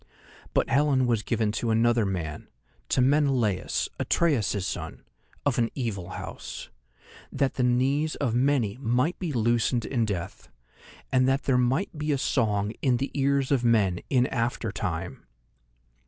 But Helen was given to another man, to Menelaus, Atreus's son, of an evil house, that the knees of many might be loosened in death, and that there might be a song in the ears of men in after time.